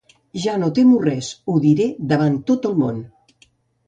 Ja no temo res, ho diré davant tot el món.